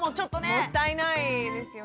もったいないですよね。